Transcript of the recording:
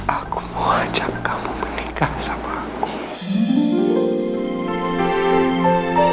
aku mau ajak kamu menikah sama agus